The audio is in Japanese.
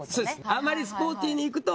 あまりスポーティーにいくと。